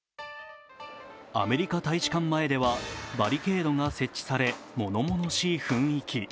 アメリカ大使館前ではバリケードが設置され、物々しい雰囲気。